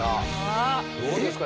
どうですか？